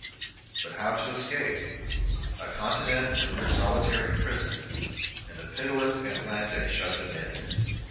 But how to escape? A continent was their solitary prison, and the pitiless Atlantic shut them in.